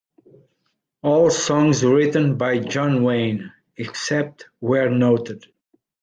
All songs written by Jon Wayne, except where noted.